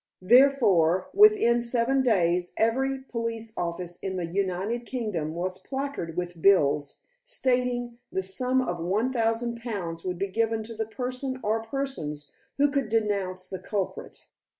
Therefore, within seven days every police office in the United Kingdom was placarded with bills, stating that the sum of one thousand pounds would be given to the person or persons who should denounce the culprit.